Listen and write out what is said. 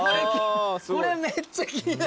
これめっちゃ気になる。